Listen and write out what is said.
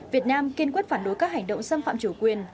việt nam kiên quyết phản đối các hành động xâm phạm chủ quyền